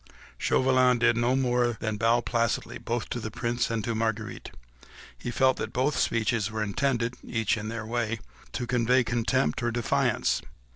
Chauvelin did no more than bow placidly both to the Prince and to Marguerite; he felt that both speeches were intended—each in their way—to convey contempt or defiance.